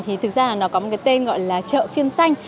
thì thực ra là nó có một cái tên gọi là chợ phiên xanh